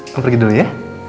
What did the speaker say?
kamu pergi dulu ya